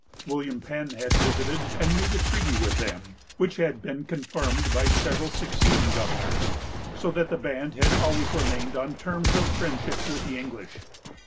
William Penn had visited and made a treaty with them, which had been confirmed by several succeeding governors, so that the band had always remained on terms of friendship with the English.